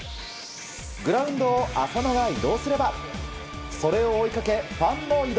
グラウンドを浅野が移動すればそれを追いかけ、ファンも移動。